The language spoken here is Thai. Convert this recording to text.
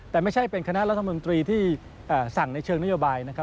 แต่ไม่ใช่เป็นคณะรัฐมนตรีที่สั่งในเชิงนโยบายนะครับ